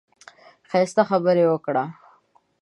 ښايسته خبرې وکړه.